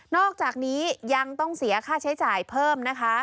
อกจากนี้ยังต้องเสียค่าใช้จ่ายเพิ่มนะคะ